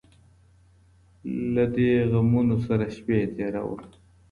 له دې غمـونـو ســـره شــپــې تــېــــروم